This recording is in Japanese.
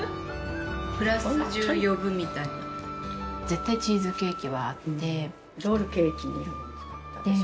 クラス中呼ぶみたいな絶対チーズケーキはあってロールケーキもよく作ったでしょ？